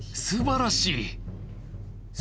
すばらしい？